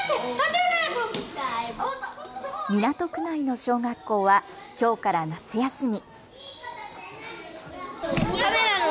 港区内の小学校はきょうから夏休み。